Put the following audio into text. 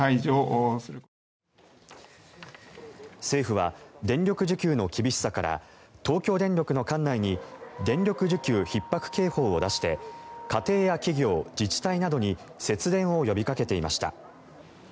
政府は電力需給の厳しさから東京電力の管内に電力需給ひっ迫警報を出して家庭や企業、自治体などに節電を呼びかけていました。